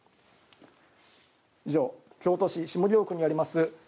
以上、京都市下京区にあります